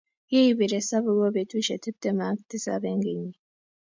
ye ipir esabu ko betushe tepte m ak tisap eng kenyii.